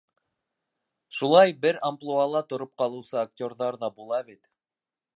Шулай бер амплуала тороп ҡалыусы актерҙар ҙа була бит.